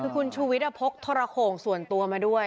คุณชุวิตพกโทรโขงส่วนตัวมาด้วย